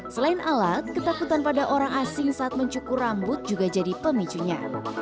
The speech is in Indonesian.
selain alat ketakutan pada orang asing saat mencukur rambut juga jadi pemicunya